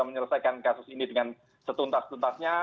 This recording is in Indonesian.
menyelesaikan kasus ini dengan setuntas tuntasnya